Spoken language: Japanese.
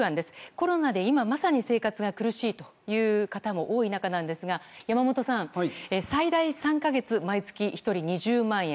コロナで今まさに生活が苦しいという方も多い中なんですが山本さん、最大３か月毎月、１人２０万円。